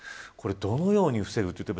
これは、どのように防ぐのか。